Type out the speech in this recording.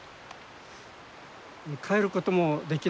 帰ることもできない。